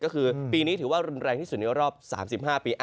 คือปีนี้ถือว่ารุนแรงที่สุดเลี่ยวรอบ๓๕ปี